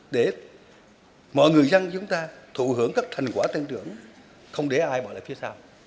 để mọi người dân chúng ta thụ hưởng các thành quả tăng trưởng không để ai bỏ lại phía sau